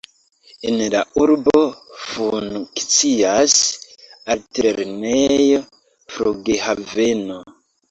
En la urbo funkcias altlernejo, flughaveno.